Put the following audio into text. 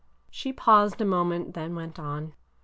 She paused a moment and then went on.